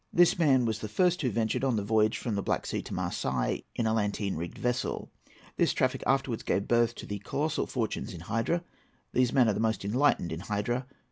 This man was the first who ventured on the voyage from the Black Sea to Marseilles in a latteen rigged vessel. This traffic afterwards gave birth to the colossal fortunes in Hydra. These men are the most enlightened in Hydra.